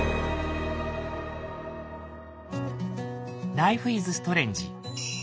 「ライフイズストレンジ」。